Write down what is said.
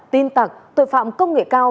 tin tặc tội phạm công nghệ cao